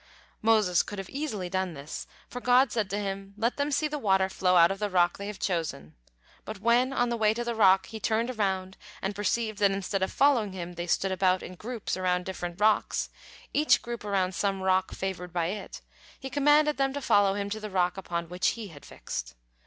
Moses could easily have done this, for God said to him: "Let them see the water flow out of the rock they have chosen," but when, on the way to the rock, he turned around and perceived that instead of following him they stood about in groups around different rocks, each group around some rock favored by it, he commanded them to follow him to the rock upon which he had fixed.